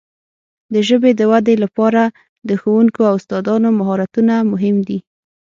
د ژبې د وده لپاره د ښوونکو او استادانو مهارتونه مهم دي.